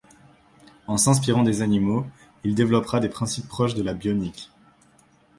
En s'inspirant des animaux, il développera des principes proches de la bionique.